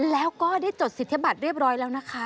แล้วก็ได้จดสิทธิบัตรเรียบร้อยแล้วนะคะ